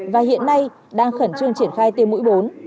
và hiện nay đang khẩn trương triển khai tiêm mũi bốn